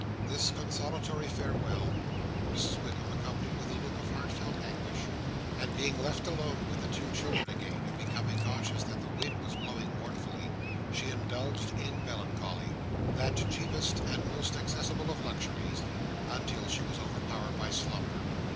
This consolatory farewell, Mrs Wickam accompanied with a look of heartfelt anguish; and being left alone with the two children again, and becoming conscious that the wind was blowing mournfully, she indulged in melancholy—that cheapest and most accessible of luxuries—until she was overpowered by slumber.